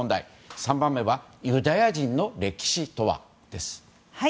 ３番目はユダヤ人の歴史とは。